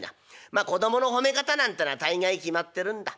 まあ子供の褒め方なんてのは大概決まってるんだ。